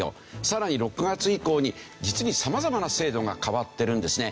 さらに６月以降に実に様々な制度が変わってるんですね。